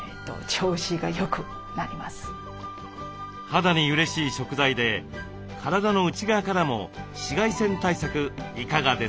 肌にうれしい食材で体の内側からも紫外線対策いかがですか？